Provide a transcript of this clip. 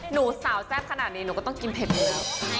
หนูสาวแซ่บขนาดนี้หนูก็ต้องกินเผ็ดเลย